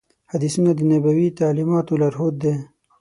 حدیثونه د نبوي تعلیماتو لارښود دي.